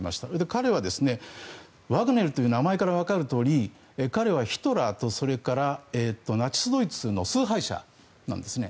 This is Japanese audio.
彼はワグネルという名前からわかるとおり彼はヒトラーとそれからナチス・ドイツの崇拝者なんですね。